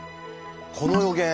この予言